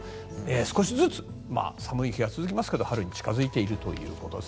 少しずつ寒い日が続きますけど春に近付いているということです。